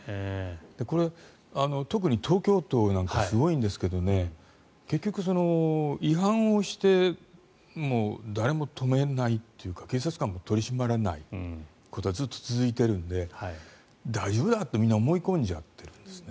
これは、特に東京都なんかすごいんですが結局違反をしても誰も止めないというか警察官も取り締まらないことがずっと続いているので大丈夫だってみんな思い込んじゃってるんですね。